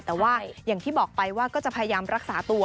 แต่ว่าอย่างที่บอกไปว่าก็จะพยายามรักษาตัว